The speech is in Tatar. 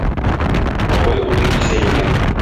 Бабай утын кисә икән.